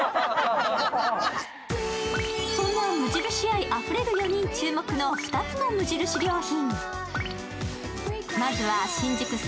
そんな無印愛あふれる４人注目の２つの無印良品。